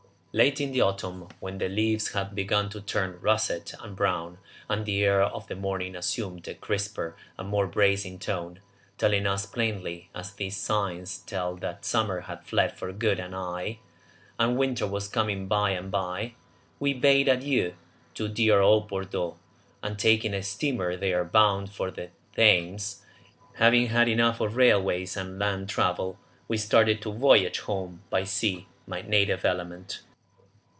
Late in the autumn, when the leaves had begun to turn russet and brown, and the air of a morning assumed a crisper and more bracing tone, telling us plainly as these signs tell that summer had fled for good and aye, and winter was coming by and by, we bade adieu to dear old Bordeaux, and taking a steamer there bound for the Thames, having had enough of railways and land travel, we started to voyage home by sea, my native element.